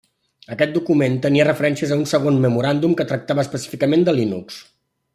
Aquest document tenia referències a un segon memoràndum que tractava específicament de Linux.